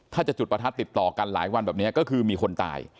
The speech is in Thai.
ถ้าจะจุดประทัดติดต่อกันหลายวันแบบนี้ก็คือมีคนตาย